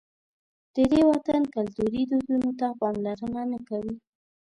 د دې وطن کلتوري دودونو ته پاملرنه نه کوي.